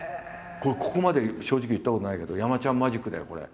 ここまで正直に言ったことないけど山ちゃんマジックだよこれ。